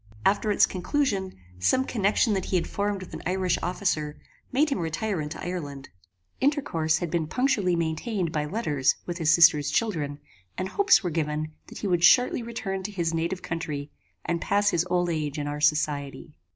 After its conclusion, some connection that he had formed with an Irish officer, made him retire into Ireland. Intercourse had been punctually maintained by letters with his sister's children, and hopes were given that he would shortly return to his native country, and pass his old age in our society.